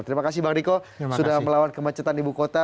terima kasih bang riko sudah melawan kemacetan ibu kota